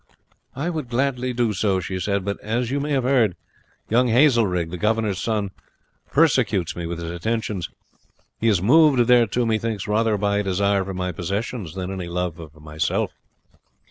"I would gladly do so," she said; "but as you may have heard, Young Hazelrig, the governor's son, persecutes me with his attentions; he is moved thereto methinks rather by a desire for my possessions than any love for myself.